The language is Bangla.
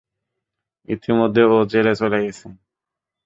ইতিমধ্যে ও জেলে চলে গেছে।